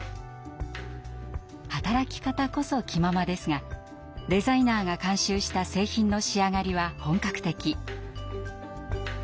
働き方こそ「キママ」ですがデザイナーが監修した製品の仕上がりは本格的。